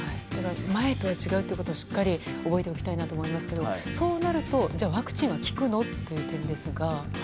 前とは違うことをしっかり覚えておきたいと思いますがそうなると、じゃあワクチンは効くの？っていう点ですが。